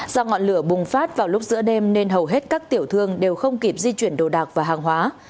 do ngọn lửa bùng phát vào lúc giữa đêm nên hầu hết các tiểu thương đều không kịp di chuyển đồ đạc và hàng hóa